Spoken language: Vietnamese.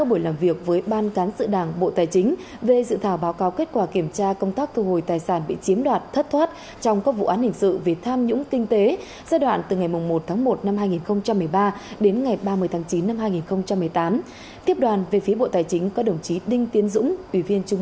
ủy viên trung ương đảng bí thư ban cán sự đảng bộ trưởng bộ tài chính